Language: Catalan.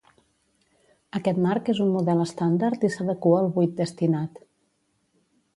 Aquest marc és un model estàndard i s'adequa al buit destinat.